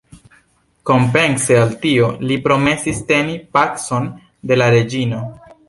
Kompense al tio, li promesis teni „pacon de la reĝino“.